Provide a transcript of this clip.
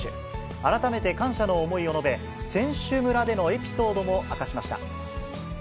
改めて感謝の思いを述べ、選手村でのエピソードも明かしました。